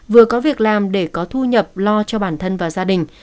vừa có việc làm để có thu nhập lo cho bản thân và gia đình